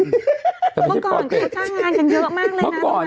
เมื่อก่อนเคยจ้างงานกันเยอะมากเลยนะ